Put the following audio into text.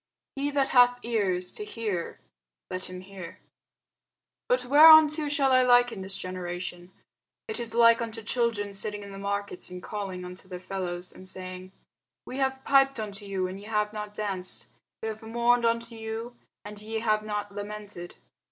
He that hath ears to hear, let him hear. But whereunto shall I liken this generation? It is like unto children sitting in the markets, and calling unto their fellows, and saying, We have piped unto you, and ye have not danced; we have mourned unto you, and ye have not lamented.